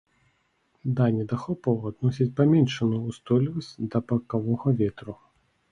Да недахопаў адносяць паменшаную ўстойлівасць да бакавога ветру.